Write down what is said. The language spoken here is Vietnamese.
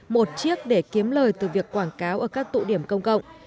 một chiếc để kiếm lời từ việc quảng cáo ở các tụ điểm công cộng